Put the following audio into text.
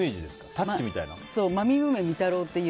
「タッチ」みたいな。